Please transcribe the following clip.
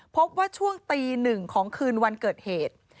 พบว่าช่วงตีหนึ่งของคืนวันเกิดเหตุ